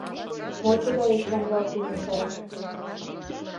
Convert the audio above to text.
Мо тыгай, Эчан вате еҥгай?